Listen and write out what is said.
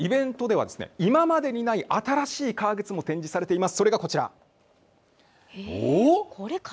このイベントではですね、今までにない新しい革靴も展示されています。